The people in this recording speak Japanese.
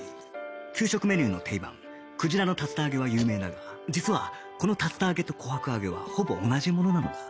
給食メニューの定番クジラの竜田揚げは有名だが実はこの竜田揚げと琥珀揚げはほぼ同じものなのだ